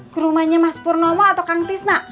ke rumahnya mas purnomo atau kang tisna